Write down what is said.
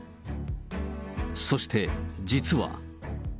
そして、実は。